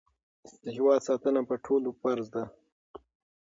د هېواد ساتنه په ټولو فرض ده.